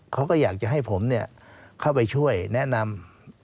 เขาก็อยากจะให้ผมเข้าไปช่วยแนะนำ